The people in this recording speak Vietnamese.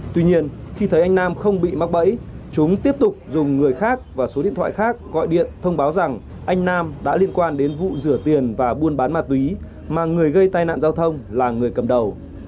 tuy nhiên khi thấy anh nam không bị mắc bẫy chúng tiếp tục dùng người khác và số điện thoại khác gọi điện thông báo rằng anh nam đã liên quan đến vụ rửa tiền và buôn bán ma túy mà người gây tai nạn giao thông là người cầm đầu